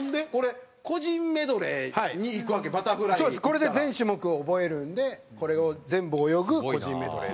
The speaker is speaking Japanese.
これで全種目を覚えるんでこれを全部泳ぐ個人メドレー。